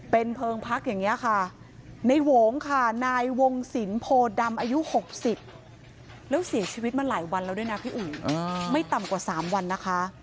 เป็นเพลิงพักอย่างนี้ค่ะในโหงค่ะนายวงศิลป์โพดำอายุ๖๐แล้วเสียชีวิตมาหลายวันแล้วด้วยนะพี่อุ๋ยไม่ต่ำกว่า๓วันนะคะ